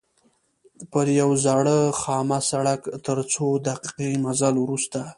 پر یوه زاړه خامه سړک تر څو دقیقې مزل وروسته.